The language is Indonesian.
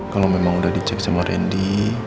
kalau memang udah dicek sama randy